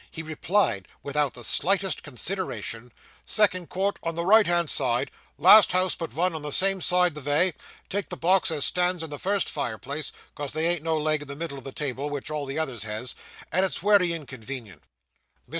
He replied, without the slightest consideration 'Second court on the right hand side last house but vun on the same side the vay take the box as stands in the first fireplace, 'cos there ain't no leg in the middle o' the table, which all the others has, and it's wery inconvenient.' Mr.